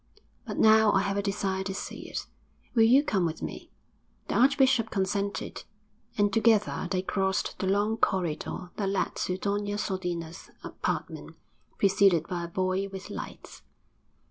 But now I have a desire to see it. Will you come with me?' The archbishop consented, and together they crossed the long corridor that led to Doña Sodina's apartment, preceded by a boy with lights.